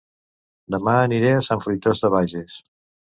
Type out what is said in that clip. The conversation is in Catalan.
Dema aniré a Sant Fruitós de Bages